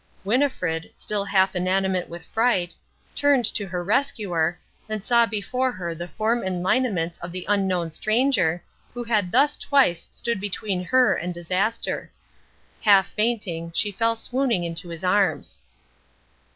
Winnifred, still half inanimate with fright, turned to her rescuer, and saw before her the form and lineaments of the Unknown Stranger, who had thus twice stood between her and disaster. Half fainting, she fell swooning into his arms.